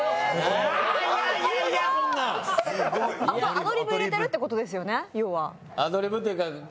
アドリブ入れてるってことですよね、要は。